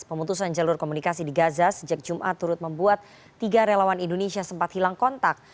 pemutusan jalur komunikasi di gaza sejak jumat turut membuat tiga relawan indonesia sempat hilang kontak